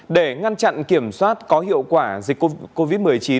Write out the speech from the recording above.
để ngăn chặn kiểm soát có hiệu quả dịch covid một mươi chín